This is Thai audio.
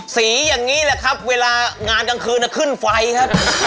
อย่างนี้แหละครับเวลางานกลางคืนขึ้นไฟครับ